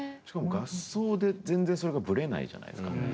しかも合奏で全然それがブレないじゃないですか。